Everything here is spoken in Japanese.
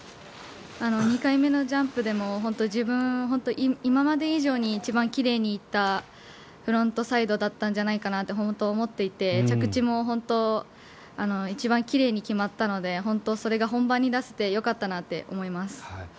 ２回目のジャンプでも自分、本当に今まで以上に一番奇麗にいったフロントサイドだったんじゃないかと本当、思っていて着地も一番奇麗に決まったので本当にそれが本番に出せてよかったと思います。